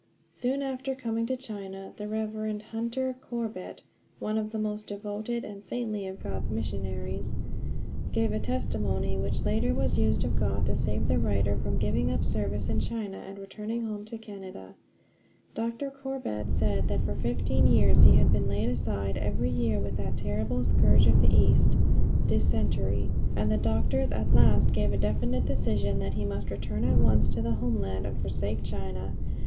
Soon after coming to China the Rev. Hunter Corbett, one of the most devoted and saintly of God's missionaries, gave a testimony which later was used of God to save the writer from giving up service in China and returning home to Canada. Dr. Corbett said that for fifteen years he had been laid aside every year with that terrible scourge of the East dysentery; and the doctors at last gave a definite decision that he must return at once to the homeland and forsake China.